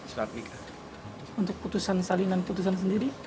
untuk putusan salinan putusan sendiri